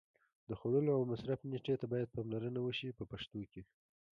د خوړلو او مصرف نېټې ته باید پاملرنه وشي په پښتو کې.